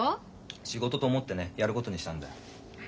仕事と思ってねやることにしたんだよ。